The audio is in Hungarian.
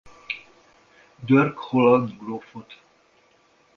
Dirk holland grófot.